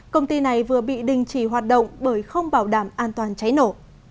công ty này vừa bị đình chỉ hoạt động bởi không bảo đảm an toàn cháy nổ